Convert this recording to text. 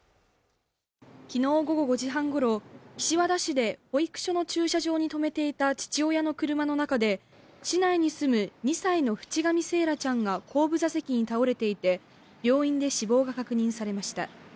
昨日午後５時半ごろ、岸和田市で保育所の駐車場に止めていた父親の車の中で、市内に住む２歳の渕上惺愛ちゃんが後部座席に倒れていて、病院で死亡が確認されました。